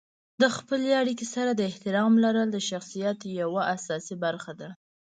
د خپلې اړیکو سره د احترام لرل د شخصیت یوه اساسي برخه ده.